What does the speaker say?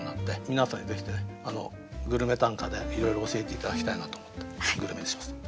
皆さんにぜひグルメ短歌でいろいろ教えて頂きたいなと思って「グルメ」にしました。